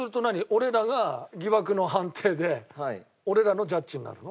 俺らが疑惑の判定で俺らのジャッジになるの？